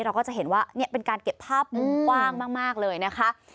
เราก็จะเห็นว่าเป็นการเก็บภาพมุมกว้างมากเลยนะคะ